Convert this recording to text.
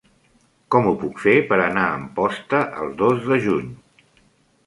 Com ho puc fer per anar a Amposta el dos de juny?